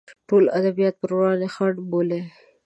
ټول ادبیات پر وړاندې خنډ بولي.